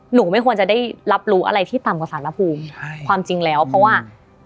หนูไม่ควรจะได้รับรู้อะไรที่ต่ำกว่าสารภูมิใช่ความจริงแล้วเพราะว่า